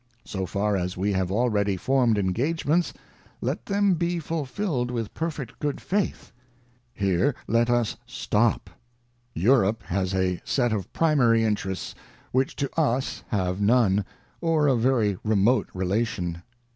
ŌĆö So far as we have already formed engagements let them be fulfilled with perfect good faith. ŌĆö Here let us stop. ŌĆö Europe has a set of primary interests, which to us have none, or a very remote re lation.